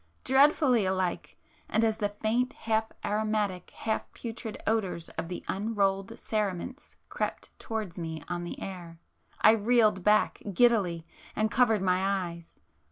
—dreadfully like!—and as the faint, half aromatic half putrid odours of the unrolled cerements crept towards me on the air, I reeled back giddily and covered my eyes.